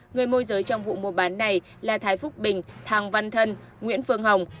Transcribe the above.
người môi giới trong vụ mua bán này là thái phúc bình thàng văn thân nguyễn phương hồng